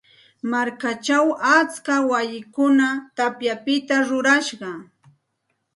Markachaw atska wayikunam tapyapita rurashqa.